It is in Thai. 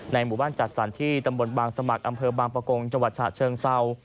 หมู่บ้านจัดสรรที่ตำบลบางสมัครอำเภอบางประกงจังหวัดฉะเชิงเศร้า